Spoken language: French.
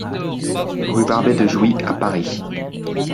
Rue Barbet de Jouy à Paris